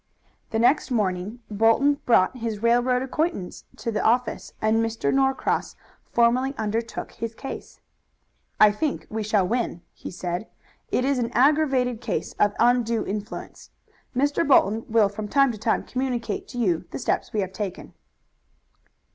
The next morning Bolton brought his railroad acquaintance to the office, and Mr. Norcross formally undertook his case. "I think we shall win," he said. "It is an aggravated case of undue influence. Mr. Bolton will from time to time communicate to you the steps we have taken."